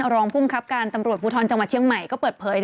รองภูมิครับการตำรวจภูทรจังหวัดเชียงใหม่ก็เปิดเผย